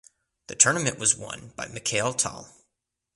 The tournament was won by Mikhail Tal.